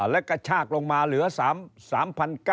แล้วก็ชากลงมาเหลือ๓๙๐๐บาท